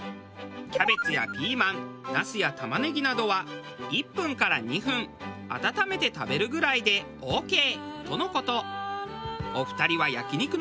キャベツやピーマンナスや玉ねぎなどは１分から２分温めて食べるぐらいでオーケーとの事。